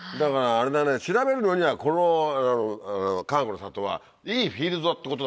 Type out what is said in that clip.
調べるのにはこのかがくの里はいいフィールドってことだね。